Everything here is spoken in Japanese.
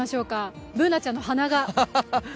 Ｂｏｏｎａちゃんの鼻が。